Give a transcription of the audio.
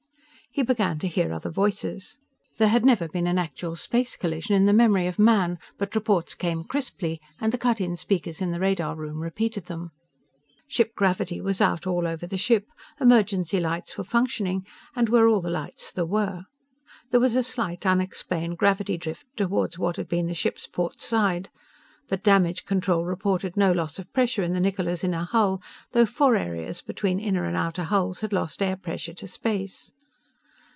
He began to hear other voices. There had never been an actual space collision in the memory of man, but reports came crisply, and the cut in speakers in the radar room repeated them. Ship gravity was out all over the ship. Emergency lights were functioning, and were all the lights there were. There was a slight, unexplained gravity drift toward what had been the ship's port side. But damage control reported no loss of pressure in the Niccola's inner hull, though four areas between inner and outer hulls had lost air pressure to space.